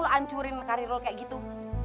lo hancurin karir lo seperti itu